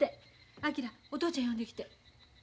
昭お父ちゃん呼んできて。